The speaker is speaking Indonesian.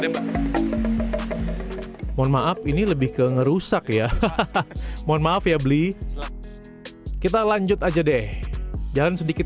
tembak mohon maaf ini lebih ke ngerusak ya hahaha mohon maaf ya beli kita lanjut aja deh jalan sedikit